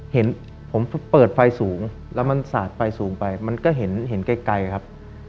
เห็นผมเปิดไฟสูงแล้วมันสาดไฟสูงไปมันก็เห็นไกลครับ